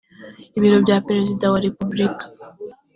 ibiro bya perezida wa repubulika